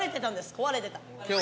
壊れてた。